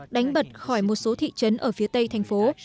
đánh bật khỏi một số thị trấn ở phía tây thành phố